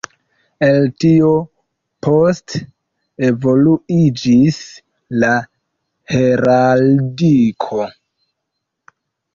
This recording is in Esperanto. El tio poste evoluiĝis la heraldiko.